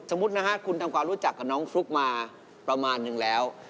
สมมุตินะฮะคุณทำความรู้จักกับน้องฟลุ๊กมาประมาณนึงแล้ว